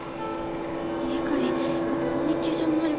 やはりコミュニケーション能力